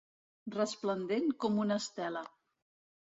Resplendent com una estela.